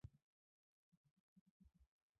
与万树友善。